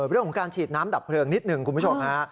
เรื่องของการฉีดน้ำดับเพลิงนิดหนึ่งคุณผู้ชมฮะ